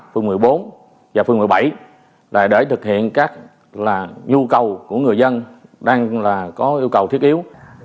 phường một mươi bốn và phường một mươi bảy là để thực hiện các là nhu cầu của người dân đang là có yêu cầu thiết yếu